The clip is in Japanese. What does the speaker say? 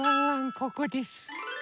ここです。